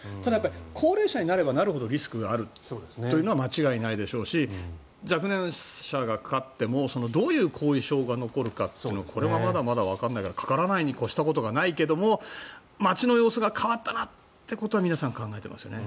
高齢者になればなるほどリスクがあるのは間違いないでしょうし若年者がかかってもどういう後遺症が残るかというのはこれはまだまだわからないからかからないに越したことがないけれども街の様子が変わったなってことは皆さん考えていますよね。